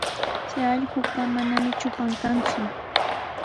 Chay allqupa manami trupan kanku.